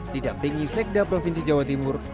didampingi sekda provinsi jawa timur